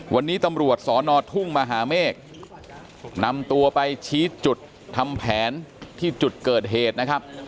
วันนี้ตำรวจสอนอทุ่งมหาเมฆนำตัวไปชี้จุดทำแผนที่จุดเกิดเหตุนะครับ